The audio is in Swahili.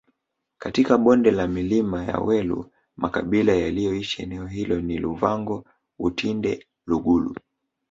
katika bonde la milima ya welu makabila yaliyoishi eneo hilo ni Luvango wutinde lugulu